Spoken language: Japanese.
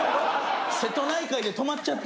瀬戸内海で止まっちゃったんですよ。